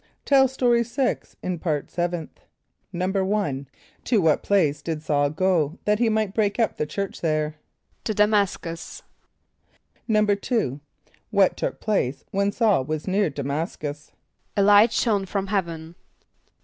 (Tell Story 6 in Part Seventh.) =1.= To what place did S[a:]ul go, that he might break up the church there? =To D[+a] m[)a]s´cus.= =2.= What took place when S[a:]ul was near D[+a] m[)a]s´cus? =A light shone from heaven.